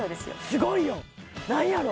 すごいよ何やろ？